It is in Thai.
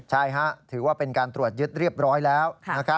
ใช่ถือว่าเป็นการตรวจยึดเรียบร้อยแล้ว